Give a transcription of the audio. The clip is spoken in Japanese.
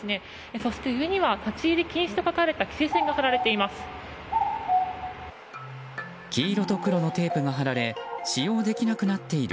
そして上には立ち入り禁止と書かれた規制線が張られています。